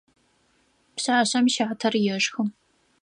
Пшъашъэм щатэр ешхы.